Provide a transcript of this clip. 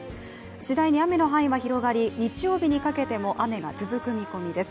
しだいに雨の範囲は広がり日曜日にかけても雨が続く見込みです。